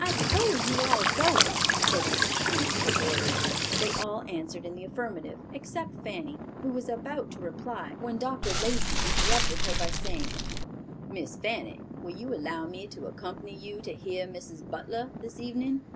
"I suppose you are all going," said Mrs. Crane to her boarders. They all answered in the affirmative except Fanny, who was about to reply, when Dr. Lacey interrupted her by saying, "Miss Fanny, will you allow me to accompany you to hear Mrs. Butler this evening?"